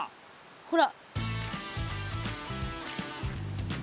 ほら！